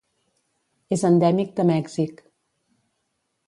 És endèmic de Mèxic.